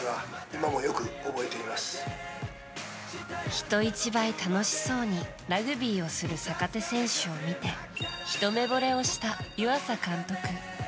人一倍、楽しそうにラグビーをする坂手選手を見てひと目ぼれをした湯浅監督。